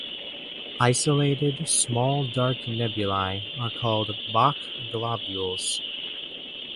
Isolated small dark nebulae are called Bok globules.